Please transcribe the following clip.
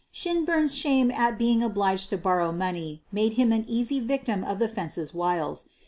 Shinburn 's shame at being obliged to borrow money made him an easy victim of the "fence's" wiles.